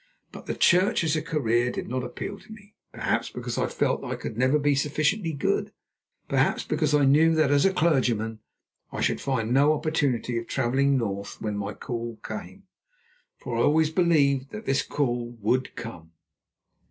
But the Church as a career did not appeal to me, perhaps because I felt that I could never be sufficiently good; perhaps because I knew that as a clergyman I should find no opportunity of travelling north when my call came. For I always believed that this call would come.